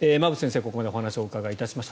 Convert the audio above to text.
ここまでお話をお伺いしました。